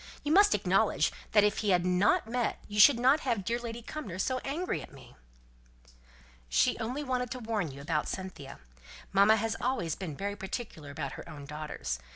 You must acknowledge that if he had not met you I should not have had dear Lady Cumnor so angry with me." "She only wanted to warn you about Cynthia. Mamma has always been very particular about her own daughters.